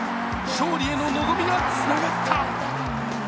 勝利への望みがつながった。